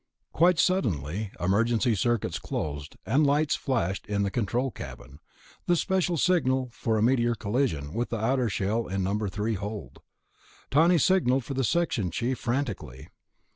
Quite suddenly emergency circuits closed and lights flashed in the control cabin, the special signal for a meteor collision with the outer shell in No. 3 hold. Tawney signalled for the section chief frantically.